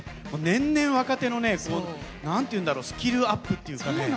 年々若手の何て言うんだろうスキルアップっていうかね。